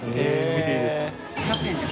見ていいですか？